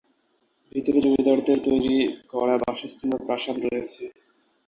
ভিতরে জমিদারদের তৈরি করা বাসস্থান বা প্রাসাদ রয়েছে।